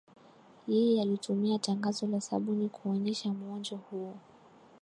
Yeye alitumia tangazo la sabuni kuonesha muonjo huo